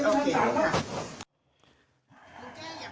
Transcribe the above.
โทษสังคมโทษสังคมโทษสังคมโทษสังคมโทษสังคม